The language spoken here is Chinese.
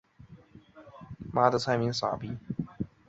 武义吻虾虎鱼为虾虎鱼科吻虾虎鱼属的鱼类。